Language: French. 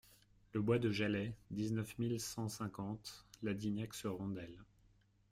Le Bois de Jaleix, dix-neuf mille cent cinquante Ladignac-sur-Rondelles